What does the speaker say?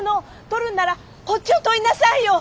撮るんならこっちを撮りなさいよ！